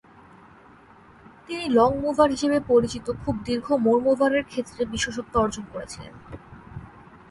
তিনি লংমুভার হিসাবে পরিচিত খুব দীর্ঘ মোরমোভারের ক্ষেত্রে বিশেষত্ব অর্জন করেছিলেন।